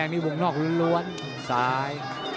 ล้วนล้วนซ้าย